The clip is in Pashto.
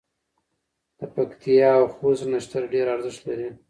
د پکتیا او خوست نښتر ډېر ارزښت لري.